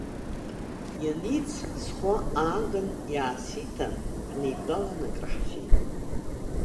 Ианиӡ, схәы ааган иаасиҭан, ҳнеидтәалан акраҳфеит.